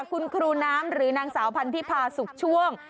คุณครูน้ำหรือนางสาวพันธิพาสุขช่วง